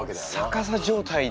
逆さ状態で。